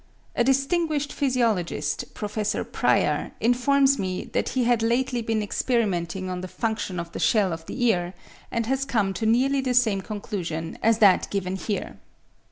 A distinguished physiologist, Prof. Preyer, informs me that he had lately been experimenting on the function of the shell of the ear, and has come to nearly the same conclusion as that given here.)